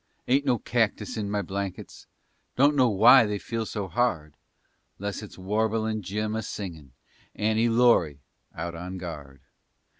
Ain't no cactus in my blankets, Don't know why they feel so hard 'Less it's Warblin' Jim a singin' "Annie Laurie" out on guard.